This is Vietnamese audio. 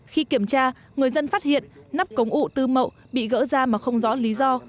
khi kiểm tra người dân phát hiện nắp cống ủ tư mậu bị gỡ ra mà không rõ lý do